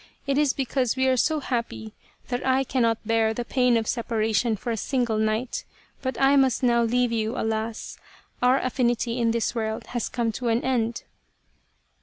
It is be cause we are so happy that I cannot bear the pain of separation for a single night. But I must now leave you, alas ! Our affinity in this world has come to an end."